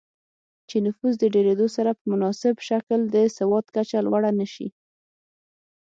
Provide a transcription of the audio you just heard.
چې نفوس د ډېرېدو سره په متناسب شکل د سواد کچه لوړه نه شي